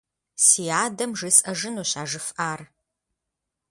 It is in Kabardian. Си адэм жесӏэжынущ а жыфӏар.